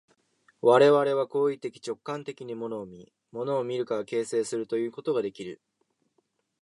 我々は行為的直観的に物を見、物を見るから形成するということができる。